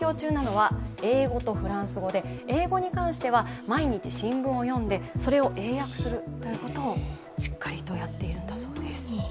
英語に関しては毎日新聞を読んで、それを英訳するということをしっかりとやっているんだそうです。